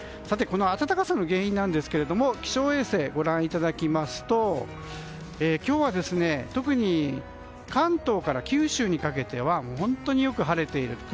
この暖かさの原因ですが気象衛星ご覧いただきますと今日は特に関東から九州にかけては本当によく晴れている。